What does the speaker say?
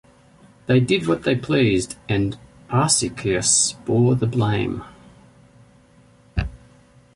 They did what they pleased, and Arsacius bore the blame.